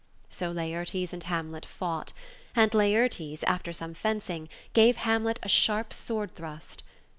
So Laertes and Hamlet fought, and Laertes, after some fencing, gave Hamlet a sharp sword thrust.